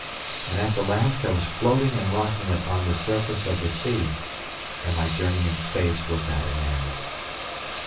And at the last I was floating and rocking upon the surface of the sea, and my journey in space was at an end.